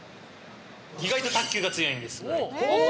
意外と卓球が強いんですよ。